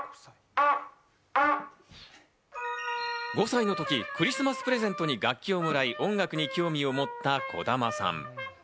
５歳のときクリスマスプレゼントに楽器をもらい、音楽に興味を持った児玉さん。